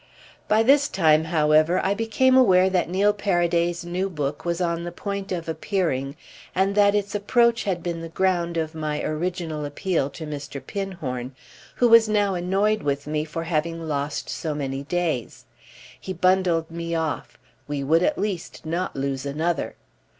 By this time, however, I became aware that Neil Paraday's new book was on the point of appearing and that its approach had been the ground of my original appeal to Mr. Pinhorn, who was now annoyed with me for having lost so many days. He bundled me off—we would at least not lose another.